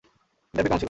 Interview কেমন ছিল?